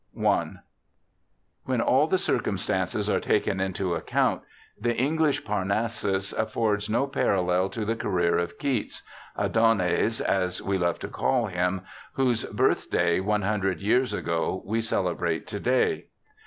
I When all the circumstances are taken into account, the English Parnassus affords no parallel to the career of Keats — Adonais, as we love to call him — whose birth day, one hundred years ago, we celebrate to day.